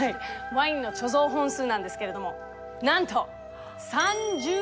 ワインの貯蔵本数なんですけれどもなんとえ！